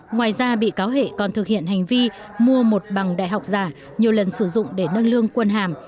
ngoài ra bị cáo hệ còn thực hiện hành vi mua một bằng đại học giả nhiều lần sử dụng để nâng lương quân hàm